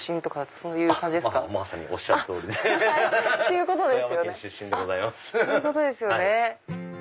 そういうことですよね。